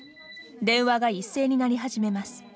電話が一斉に鳴り始めます。